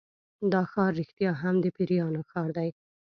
دا ښار رښتیا هم د پیریانو ښار دی.